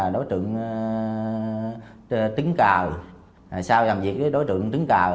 đối tượng tính cào sau làm việc với đối tượng tính cào